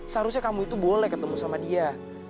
seharusnya kamu itu boleh ketemu sama dia